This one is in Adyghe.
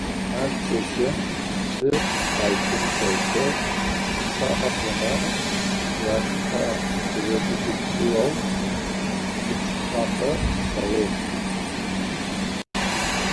Ащ чэщым зы алпым тесэу къушъхьэхэмэ яшъхьапырыбыбыкӏыгъэу пкӏыхьапӏэ ылъэгъугъ.